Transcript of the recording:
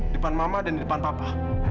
depan mama dan di depan papa